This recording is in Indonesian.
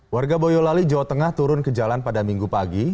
warga boyolali jawa tengah turun ke jalan pada minggu pagi